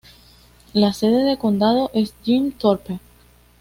La sede de condado es Jim Thorpe.